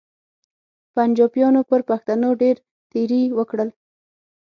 پنچاپیانو پر پښتنو ډېر تېري وکړل.